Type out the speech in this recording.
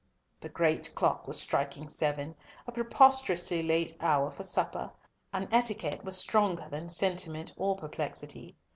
The great clock was striking seven, a preposterously late hour for supper, and etiquette was stronger than sentiment or perplexity.